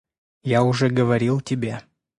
Я уже говорил тебе.